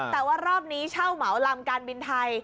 แต่ว่ารอบนี้เช่าเหมาลำการบินไทย